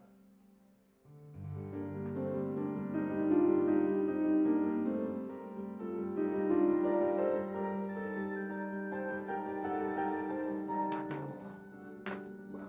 bagaimana harus buang surat lagi ya